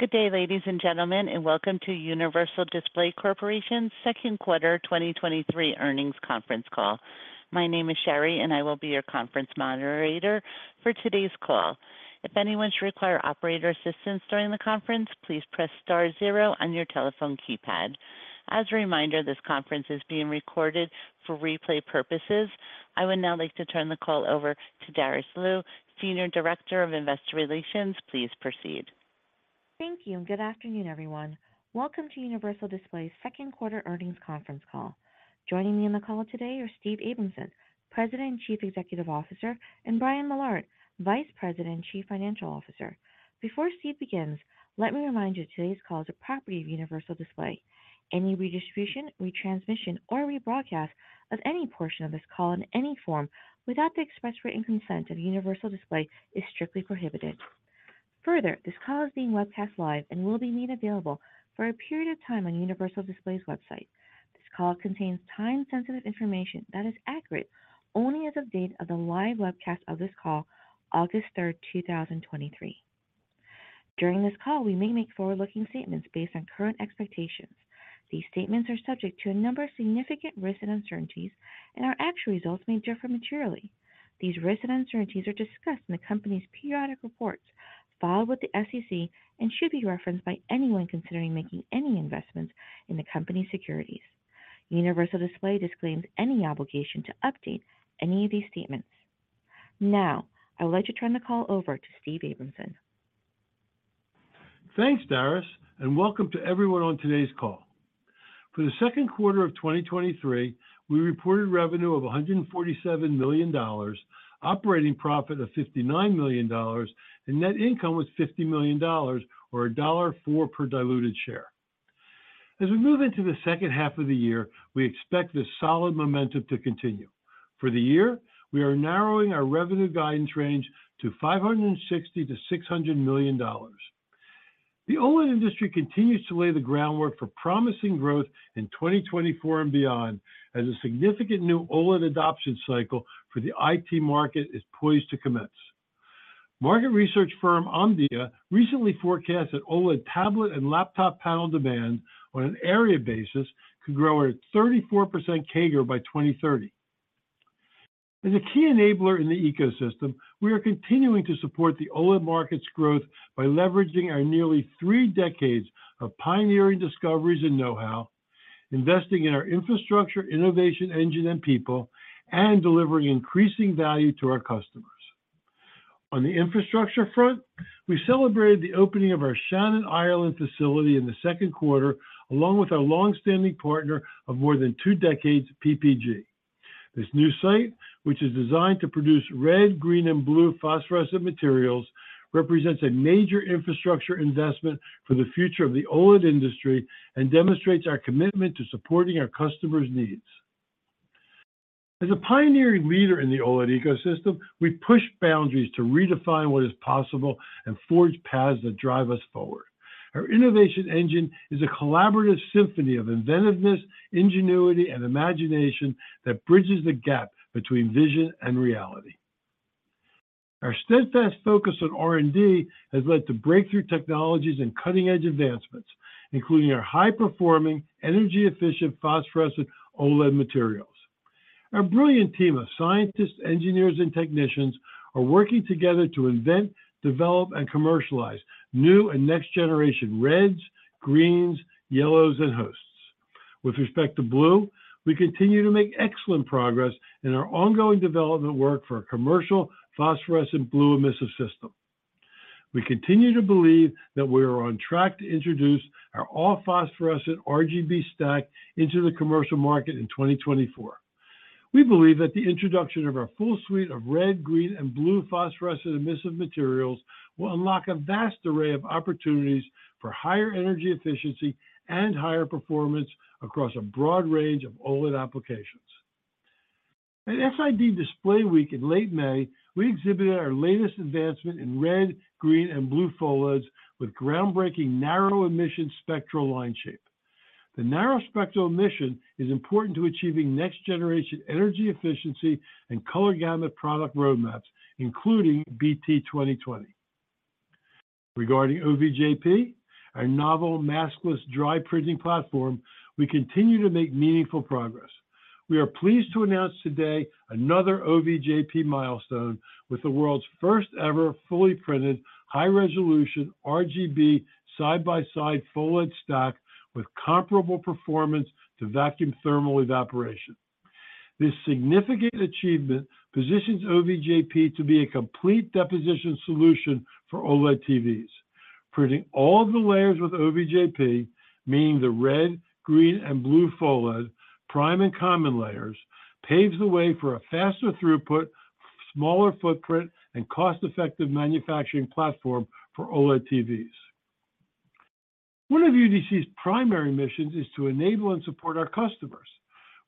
Good day, ladies and gentlemen, and welcome to Universal Display Corporation's second quarter 2023 earnings conference call. My name is Sherry, and I will be your conference moderator for today's call. If anyone should require operator assistance during the conference, please press star zero on your telephone keypad. As a reminder, this conference is being recorded for replay purposes. I would now like to turn the call over to Darice Liu, Senior Director of Investor Relations. Please proceed. Thank you, and good afternoon, everyone. Welcome to Universal Display's second quarter earnings conference call. Joining me on the call today are Steve Abramson, President and Chief Executive Officer, and Brian Millard, Vice President and Chief Financial Officer. Before Steve begins, let me remind you, today's call is a property of Universal Display. Any redistribution, retransmission, or rebroadcast of any portion of this call in any form without the express written consent of Universal Display is strictly prohibited. This call is being webcast live and will be made available for a period of time on Universal Display's website. This call contains time-sensitive information that is accurate only as of date of the live webcast of this call, August 3rd, 2023. During this call, we may make forward-looking statements based on current expectations. These statements are subject to a number of significant risks and uncertainties, and our actual results may differ materially. These risks and uncertainties are discussed in the company's periodic reports filed with the SEC and should be referenced by anyone considering making any investments in the company's securities. Universal Display disclaims any obligation to update any of these statements. Now, I would like to turn the call over to Steve Abramson. Thanks, Darice. Welcome to everyone on today's call. For the second quarter of 2023, we reported revenue of $147 million, operating profit of $59 million, and net income was $50 million, or $1.04 per diluted share. As we move into the second half of the year, we expect this solid momentum to continue. For the year, we are narrowing our revenue guidance range to $560 million-$600 million. The OLED industry continues to lay the groundwork for promising growth in 2024 and beyond, as a significant new OLED adoption cycle for the IT market is poised to commence. Market research firm Omdia recently forecast that OLED tablet and laptop panel demand on an area basis could grow at a 34% CAGR by 2030. As a key enabler in the ecosystem, we are continuing to support the OLED market's growth by leveraging our nearly three decades of pioneering discoveries and know-how, investing in our infrastructure, innovation, engine, and people, and delivering increasing value to our customers. On the infrastructure front, we celebrated the opening of our Shannon, Ireland, facility in the second quarter, along with our long-standing partner of more than two decades, PPG. This new site, which is designed to produce red, green, and blue phosphorescent materials, represents a major infrastructure investment for the future of the OLED industry and demonstrates our commitment to supporting our customers' needs. As a pioneering leader in the OLED ecosystem, we push boundaries to redefine what is possible and forge paths that drive us forward. Our innovation engine is a collaborative symphony of inventiveness, ingenuity, and imagination that bridges the gap between vision and reality. Our steadfast focus on R&D has led to breakthrough technologies and cutting-edge advancements, including our high-performing, energy-efficient, phosphorescent OLED materials. Our brilliant team of scientists, engineers, and technicians are working together to invent, develop, and commercialize new and next-generation reds, greens, yellows, and hosts. With respect to blue, we continue to make excellent progress in our ongoing development work for a commercial phosphorescent blue emissive system. We continue to believe that we are on track to introduce our all-phosphorescent RGB stack into the commercial market in 2024. We believe that the introduction of our full suite of red, green, and blue phosphorescent emissive materials will unlock a vast array of opportunities for higher energy efficiency and higher performance across a broad range of OLED applications. At SID Display Week in late May, we exhibited our latest advancement in red, green, and blue PHOLEDs with groundbreaking narrow emission spectral line shape. The narrow spectral emission is important to achieving next generation energy efficiency and color gamut product roadmaps, including BT.2020. Regarding OVJP, our novel maskless dry printing platform, we continue to make meaningful progress. We are pleased to announce today another OVJP milestone with the world's first ever fully printed, high-resolution RGB side-by-side full PHOLED stack with comparable performance to vacuum thermal evaporation. This significant achievement positions OVJP to be a complete deposition solution for OLED TVs. Printing all the layers with OVJP, meaning the red, green, and blue PHOLED prime and common layers, paves the way for a faster throughput, smaller footprint, and cost-effective manufacturing platform for OLED TVs. One of UDC's primary missions is to enable and support our customers.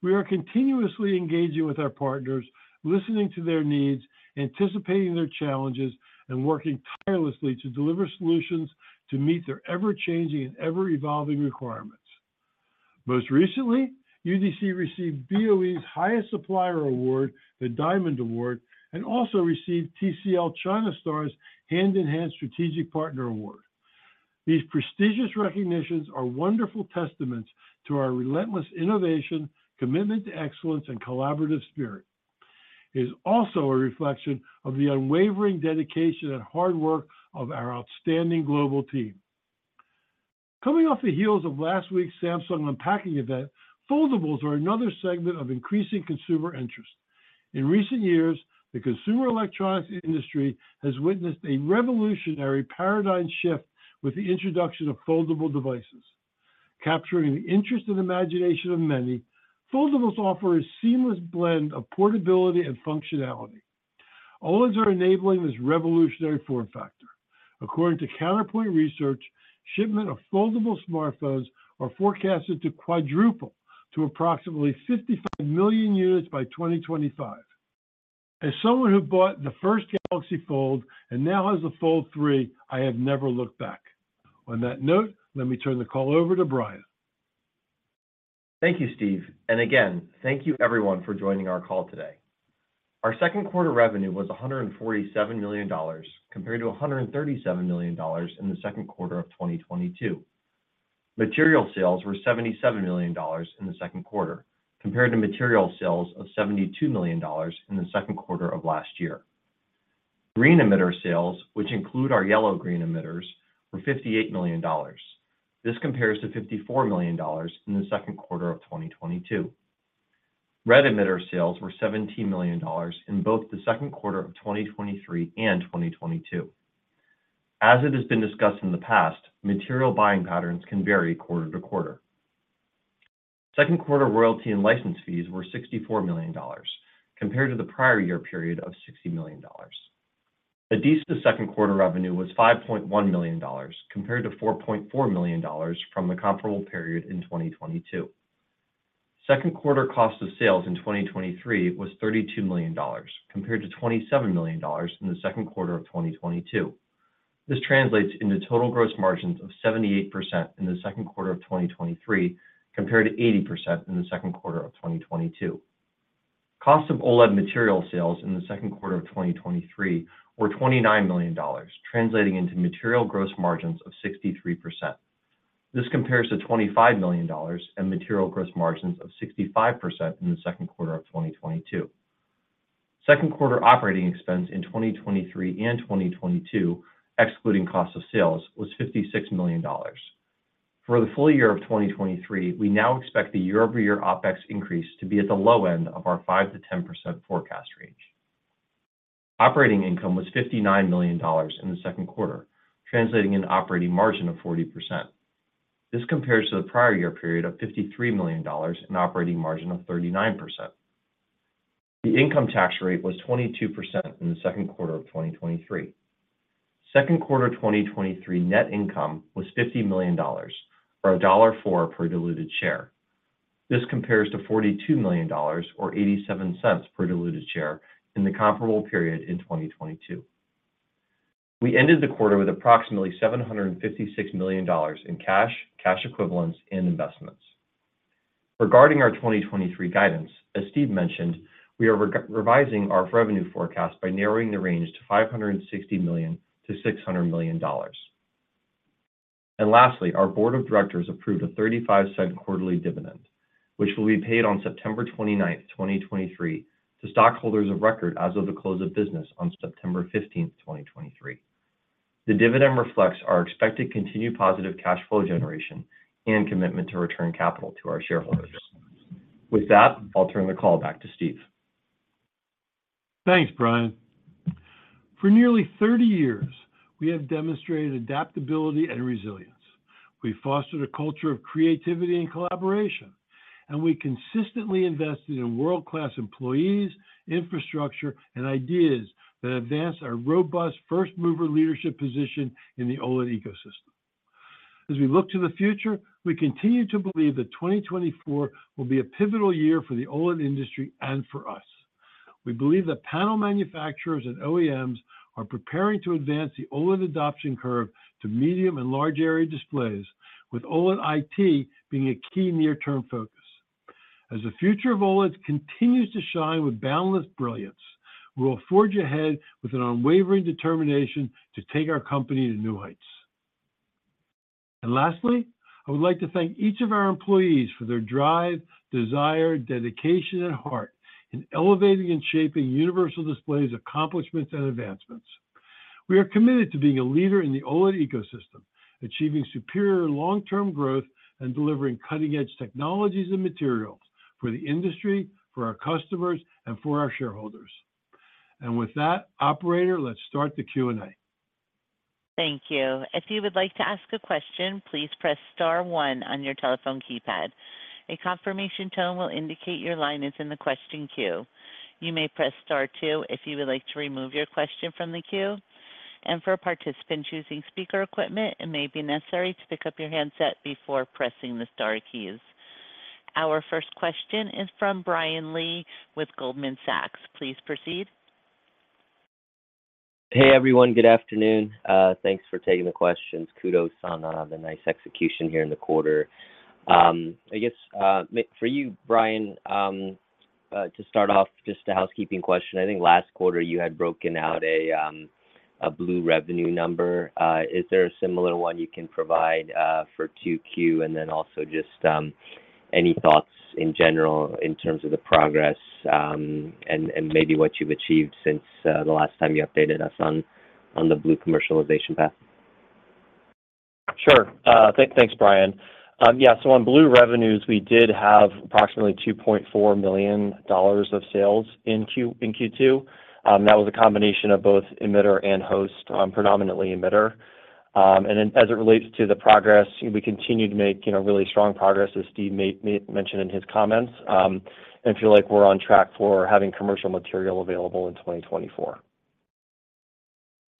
We are continuously engaging with our partners, listening to their needs, anticipating their challenges, and working tirelessly to deliver solutions to meet their ever-changing and ever-evolving requirements. Most recently, UDC received BOE's highest supplier award, the Diamond Award, and also received TCL China Star's Hand in Hand Strategic Partner Award. These prestigious recognitions are wonderful testaments to our relentless innovation, commitment to excellence, and collaborative spirit. It is also a reflection of the unwavering dedication and hard work of our outstanding global team. Coming off the heels of last week's Samsung Unpacked event, foldables are another segment of increasing consumer interest. In recent years, the consumer electronics industry has witnessed a revolutionary paradigm shift with the introduction of foldable devices. Capturing the interest and imagination of many, foldables offer a seamless blend of portability and functionality. OLEDs are enabling this revolutionary form factor. According to Counterpoint Research, shipment of foldable smartphones are forecasted to quadruple to approximately 55 million units by 2025. As someone who bought the first Galaxy Fold and now has a Fold3, I have never looked back. On that note, let me turn the call over to Brian. Thank you, Steve, and again, thank you everyone for joining our call today. Our second quarter revenue was $147 million, compared to $137 million in the second quarter of 2022. Material sales were $77 million in the second quarter, compared to material sales of $72 million in the second quarter of last year. Green emitter sales, which include our yellow-green emitters, were $58 million. This compares to $54 million in the second quarter of 2022. Red emitter sales were $17 million in both the second quarter of 2023 and 2022. As it has been discussed in the past, material buying patterns can vary quarter to quarter. Second quarter royalty and license fees were $64 million, compared to the prior year period of $60 million. Adesis's second quarter revenue was $5.1 million, compared to $4.4 million from the comparable period in 2022. Second quarter cost of sales in 2023 was $32 million, compared to $27 million in the second quarter of 2022. This translates into total gross margins of 78% in the second quarter of 2023, compared to 80% in the second quarter of 2022. Cost of OLED material sales in the second quarter of 2023 were $29 million, translating into material gross margins of 63%. This compares to $25 million and material gross margins of 65% in the second quarter of 2022. Second quarter OpEx in 2023 and 2022, excluding cost of sales, was $56 million. For the full year of 2023, we now expect the year-over-year OpEx increase to be at the low end of our 5%-10% forecast range. Operating income was $59 million in the second quarter, translating an operating margin of 40%. This compares to the prior year period of $53 million and operating margin of 39%. The income tax rate was 22% in the second quarter of 2023. Second quarter 2023 net income was $50 million, or $1.04 per diluted share. This compares to $42 million, or $0.87 per diluted share in the comparable period in 2022. We ended the quarter with approximately $756 million in cash, cash equivalents, and investments. Regarding our 2023 guidance, as Steve mentioned, we are revising our revenue forecast by narrowing the range to $560 million-$600 million. Lastly, our board of directors approved a $0.35 quarterly dividend, which will be paid on September 29th, 2023, to stockholders of record as of the close of business on September 15th, 2023. The dividend reflects our expected continued positive cash flow generation and commitment to return capital to our shareholders. With that, I'll turn the call back to Steve. Thanks, Brian. For nearly 30 years, we have demonstrated adaptability and resilience. We fostered a culture of creativity and collaboration, and we consistently invested in world-class employees, infrastructure, and ideas that advance our robust first-mover leadership position in the OLED ecosystem. As we look to the future, we continue to believe that 2024 will be a pivotal year for the OLED industry and for us. We believe that panel manufacturers and OEMs are preparing to advance the OLED adoption curve to medium and large area displays, with OLED IT being a key near-term focus. As the future of OLED continues to shine with boundless brilliance, we will forge ahead with an unwavering determination to take our company to new heights. Lastly, I would like to thank each of our employees for their drive, desire, dedication, and heart in elevating and shaping Universal Display's accomplishments and advancements. We are committed to being a leader in the OLED ecosystem, achieving superior long-term growth and delivering cutting-edge technologies and materials for the industry, for our customers, and for our shareholders. With that, operator, let's start the Q&A. Thank you. If you would like to ask a question, please press star one on your telephone keypad. A confirmation tone will indicate your line is in the question queue. You may press star two if you would like to remove your question from the queue. For a participant choosing speaker equipment, it may be necessary to pick up your handset before pressing the star keys. Our first question is from Brian Lee with Goldman Sachs. Please proceed. Hey, everyone. Good afternoon. Thanks for taking the questions. Kudos on the nice execution here in the quarter. I guess, for you, Brian, to start off, just a housekeeping question. I think last quarter you had broken out a blue revenue number. Is there a similar one you can provide for 2Q? Also just any thoughts in general in terms of the progress, and maybe what you've achieved since the last time you updated us on the blue commercialization path? Sure. Thank-thanks, Brian. Yeah, so on blue revenues, we did have approximately $2.4 million of sales in Q2. That was a combination of both emitter and host, predominantly emitter. Then as it relates to the progress, we continue to make, you know, really strong progress, as Steve mentioned in his comments. I feel like we're on track for having commercial material available in 2024.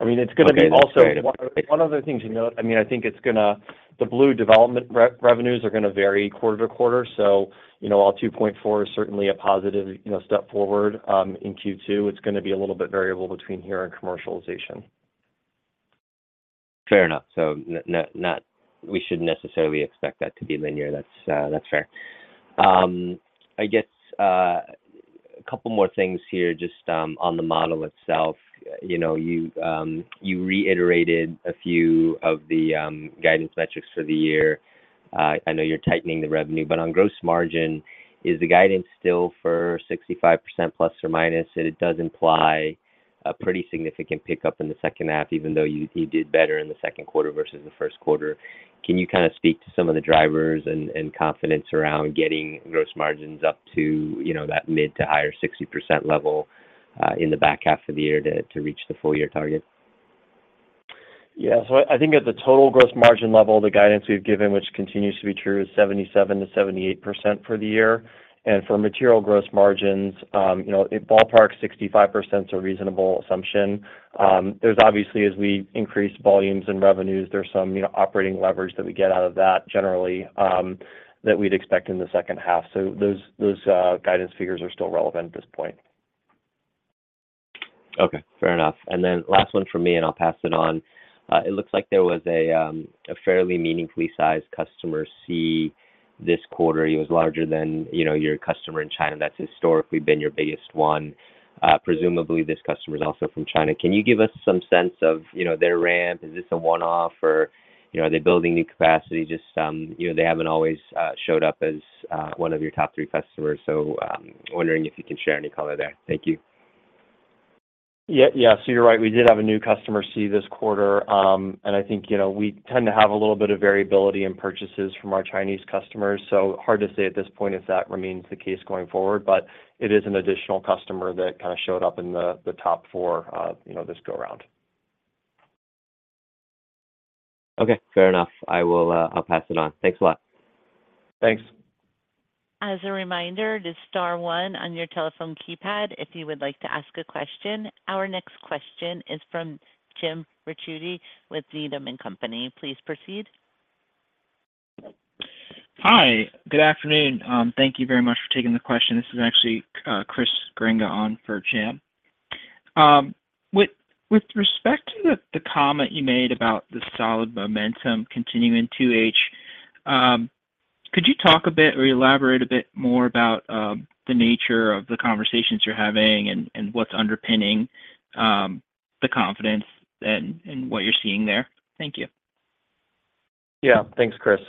I mean, it's gonna be. Great. One of the things to note, I mean, I think it's gonna the blue development revenues are gonna vary quarter to quarter, so, you know, while $2.4 million is certainly a positive, you know, step forward, in Q2, it's gonna be a little bit variable between here and commercialization. Fair enough. Not net-net, we shouldn't necessarily expect that to be linear. That's, that's fair. I guess a couple more things here, just on the model itself. You know, you reiterated a few of the guidance metrics for the year. I know you're tightening the revenue, on gross margin, is the guidance still for ±65%? It does imply a pretty significant pickup in the second half, even though you, you did better in the second quarter versus the first quarter. Can you kinda speak to some of the drivers and, and confidence around getting gross margins up to, you know, that mid to higher 60% level in the back half of the year to, to reach the full year target? Yeah. I think at the total gross margin level, the guidance we've given, which continues to be true, is 77%-78% for the year. For material gross margins, you know, ballpark, 65% is a reasonable assumption. There's obviously, as we increase volumes and revenues, there's some, you know, operating leverage that we get out of that generally, that we'd expect in the second half. Those, those, guidance figures are still relevant at this point. Okay, fair enough. Then last one from me, and I'll pass it on. It looks like there was a fairly meaningfully sized customer C this quarter. He was larger than, you know, your customer in China, that's historically been your biggest one. Presumably, this customer is also from China. Can you give us some sense of, you know, their ramp? Is this a one-off, or, you know, are they building new capacity? Just, you know, they haven't always showed up as one of your top three customers, so, wondering if you can share any color there. Thank you. Yeah, yeah. You're right, we did have a new customer C this quarter. I think, you know, we tend to have a little bit of variability in purchases from our Chinese customers, so hard to say at this point if that remains the case going forward, but it is an additional customer that kinda showed up in the, the top four, you know, this go around. Okay, fair enough. I will, I'll pass it on. Thanks a lot. Thanks. As a reminder, just star one on your telephone keypad if you would like to ask a question. Our next question is from Jim Ricchiuti with Needham and Company. Please proceed. Hi, good afternoon. Thank you very much for taking the question. This is actually Chris Grenga on for Jim. With, with respect to the, the comment you made about the solid momentum continuing in 2H, could you talk a bit or elaborate a bit more about the nature of the conversations you're having and, and what's underpinning the confidence and, and what you're seeing there? Thank you. Yeah. Thanks, Chris.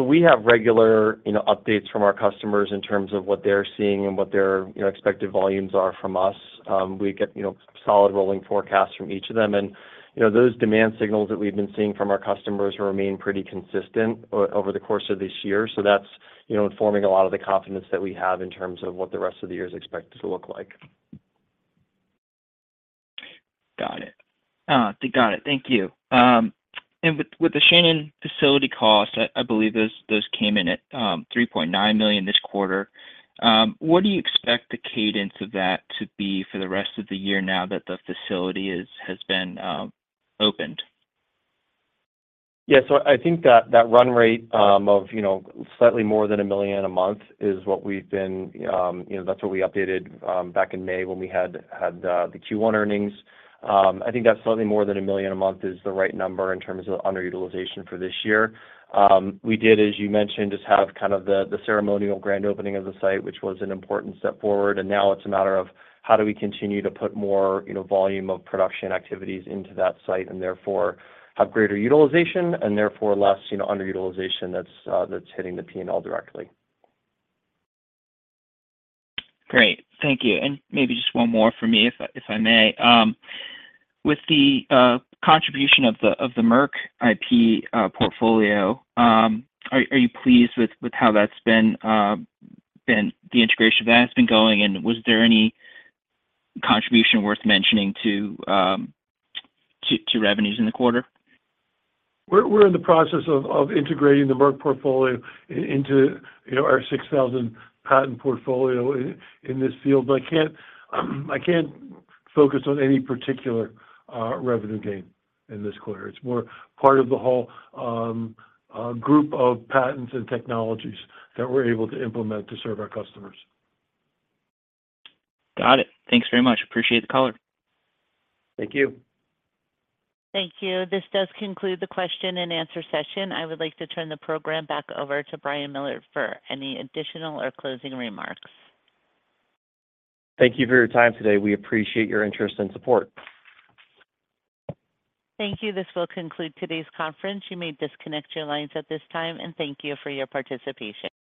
We have regular, you know, updates from our customers in terms of what they're seeing and what their, you know, expected volumes are from us. We get, you know, solid rolling forecasts from each of them. You know, those demand signals that we've been seeing from our customers remain pretty consistent over the course of this year. That's, you know, informing a lot of the confidence that we have in terms of what the rest of the year is expected to look like. Got it. Got it. Thank you. With, with the Shannon facility cost, I, I believe those, those came in at $3.9 million this quarter. What do you expect the cadence of that to be for the rest of the year now that the facility is, has been, opened? Yeah, I think that, that run rate, of, you know, slightly more than 1 million a month is what we've been, you know, that's what we updated, back in May when we had, had, the Q1 earnings. I think that's slightly more than 1 million a month is the right number in terms of underutilization for this year. We did, as you mentioned, just have kind of the, the ceremonial grand opening of the site, which was an important step forward, and now it's a matter of how do we continue to put more, you know, volume of production activities into that site, and therefore have greater utilization, and therefore less, you know, underutilization that's, that's hitting the P&L directly. Great. Thank you. Maybe just one more for me, if I, if I may. With the contribution of the, of the Merck IP, portfolio, are, are you pleased with, with how that's been the integration of that has been going, and was there any contribution worth mentioning to, to, to revenues in the quarter? We're in the process of integrating the Merck portfolio into, you know, our 6,000 patent portfolio in this field, but I can't, I can't focus on any particular revenue gain in this quarter. It's more part of the whole group of patents and technologies that we're able to implement to serve our customers. Got it. Thanks very much. Appreciate the call. Thank you. Thank you. This does conclude the question-and-answer session. I would like to turn the program back over to Brian Millard for any additional or closing remarks. Thank you for your time today. We appreciate your interest and support. Thank you. This will conclude today's conference. You may disconnect your lines at this time. Thank you for your participation.